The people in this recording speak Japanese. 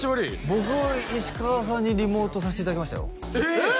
僕石川さんにリモートさせていただきましたよえっ！？